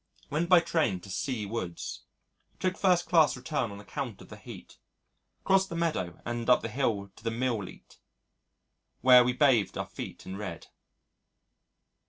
Went by train to C Woods. Took first class return on account of the heat. Crossed the meadow and up the hill to the mill leat, where we bathed our feet and read.